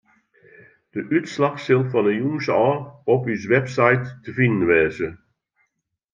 De útslach sil fan 'e jûns ôf op ús website te finen wêze.